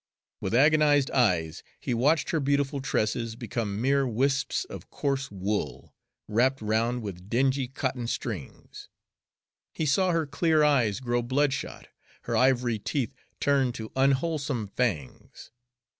With agonized eyes he watched her beautiful tresses become mere wisps of coarse wool, wrapped round with dingy cotton strings; he saw her clear eyes grow bloodshot, her ivory teeth turn to unwholesome fangs.